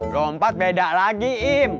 lompat beda lagi im